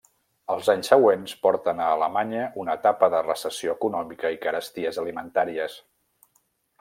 Els anys següents porten a Alemanya una etapa de recessió econòmica i caresties alimentàries.